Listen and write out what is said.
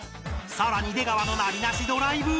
更に出川のナビなしドライブ